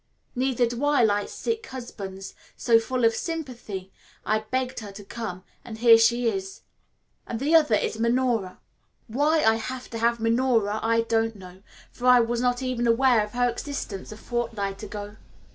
Neither do I like sick husbands, so, full of sympathy, I begged her to come, and here she is. And the other is Minora. Why I have to have Minora I don't know, for I was not even aware of her existence a fortnight ago.